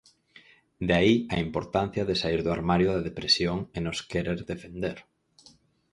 De aí a importancia de saír do armario da depresión e nos querer defender.